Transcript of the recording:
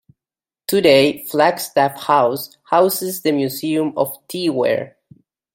Today Flagstaff House houses the Museum of Tea Ware.